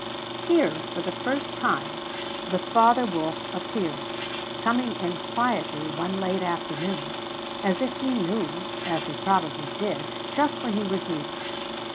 Here for the first time the father wolf appeared, coming in quietly one late afternoon, as if he knew, as he probably did, just when he was needed.